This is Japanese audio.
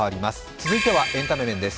続いてはエンタメ面です。